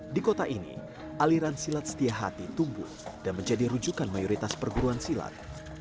di kota ini aliran silat setia hati tumbuh dan menjadi rujukan mayoritas perguruan silat